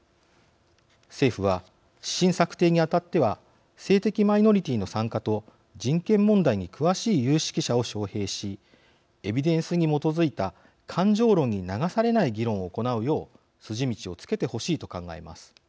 政府は指針策定にあたっては性的マイノリティーの参加と人権問題に詳しい有識者を招へいしエビデンスに基づいた感情論に流されない議論を行うよう筋道をつけてほしいと考えます。